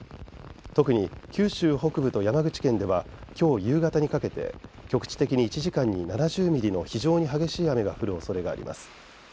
特に九州北部と山口県では今日夕方にかけて局地的に１時間に７０ミリの非常に激しい雨が降るおそれがあります。